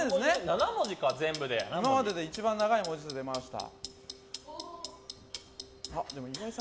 ７文字で一番長い文字出ました。